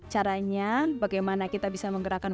caranya bagaimana kita bisa menggerakkan